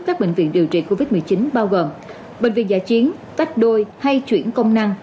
các bệnh viện điều trị covid một mươi chín bao gồm bệnh viện giả chiến tách đôi hay chuyển công năng